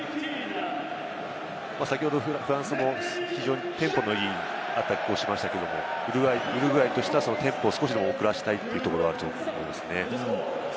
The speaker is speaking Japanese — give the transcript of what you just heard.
先ほどフランスも非常にテンポのいいアタックをしましたが、ウルグアイとしてはテンポを少しでも遅らせたいっていうところはありますね。